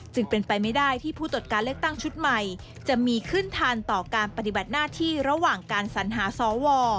จึงเป็นไปไม่ได้ที่ผู้ตรวจการเลือกตั้งชุดใหม่จะมีขึ้นทันต่อการปฏิบัติหน้าที่ระหว่างการสัญหาสว